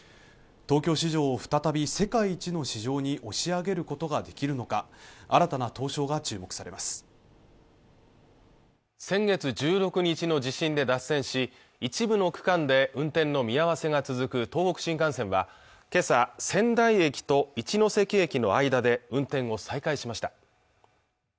東京市場を再び世界一の市場に押し上げることができるのか新たな投資法が注目されます先月１６日の地震で脱線し一部の区間で運転の見合わせが続く東北新幹線は今朝仙台駅と一ノ関駅の間で運転を再開しました